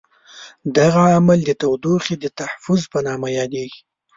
دغه عمل د تودوخې تحفظ په نامه یادیږي.